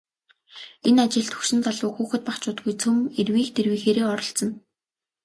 Энэ ажилд хөгшин залуу, хүүхэд багачуудгүй цөм эрвийх дэрвийхээрээ оролцоно.